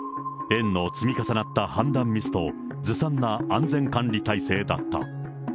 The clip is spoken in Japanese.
園の積み重なった判断ミスと、ずさんな安全管理体制だった。